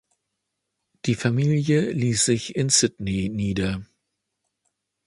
Die Familie ließ sich in Sydney nieder.